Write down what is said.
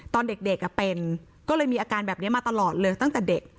ตอนเด็กเป็นก็เลยมีอาการแบบนี้มาตลอดเลยตั้งแต่เด็ก